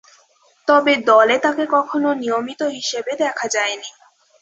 তবে দলে তাকে কখনো নিয়মিত হিসেবে দেখা যায়নি।